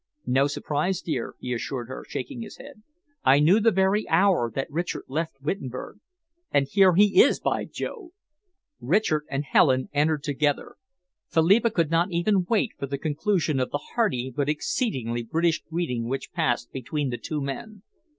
"No surprise, dear," he assured her, shaking his head. "I knew the very hour that Richard left Wittenberg. And here he is, by Jove!" Richard and Helen entered together. Philippa could not even wait for the conclusion of the hearty but exceedingly British greeting which passed between the two men.